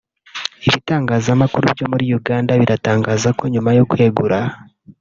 Ibitangazamakuru byo muri Uganda biratangaza ko nyuma yo kwegura